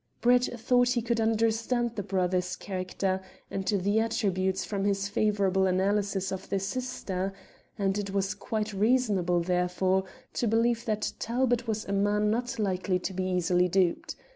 Brett thought he could understand the brother's character and attributes from his favourable analysis of the sister, and it was quite reasonable, therefore, to believe that Talbot was a man not likely to be easily duped.